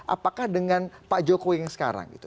apakah dengan pak jokowi yang sekarang gitu